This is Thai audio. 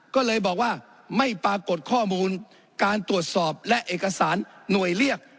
ก็เลยบอกว่าไม่ปรากฏข้อมูลการตรวจสอบและเอกสารหน่วยเรียก